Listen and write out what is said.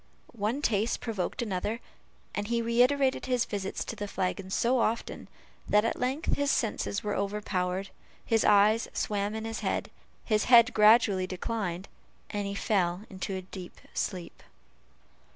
One taste provoked another; and he reiterated his visits to the flagon so often, that at length his senses were overpowered, his eyes swam in his head, his head gradually declined, and he fell into a deep sleep.